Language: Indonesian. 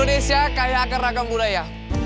indonesia kaya agar ragam budaya